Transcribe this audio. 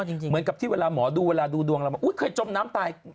เหมือนกับที่เวลาหมอดูเวลาดูดวงเรามาอุ๊ยเคยจมน้ำตาย